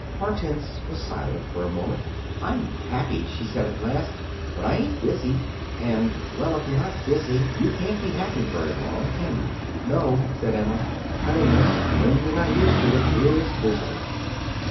Hortense was silent a moment. "I'm happy," she said, at last, "but I ain't busy. And well, if you're not busy, you can't be happy very long, can you?" "No," said Emma, "idleness, when you're not used to it, is misery."